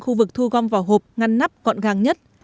khu vực thu gom vỏ hộp ngăn nắp gọn gàng nhất